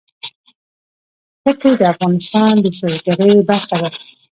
ښتې د افغانستان د سیلګرۍ برخه ده.